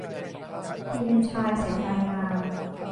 คลีเมนไทน์สายตายาว